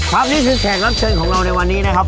นี่คือแขกรับเชิญของเราในวันนี้นะครับ